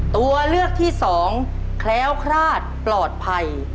ตัวเลือกที่สองแคล้วคลาดปลอดภัย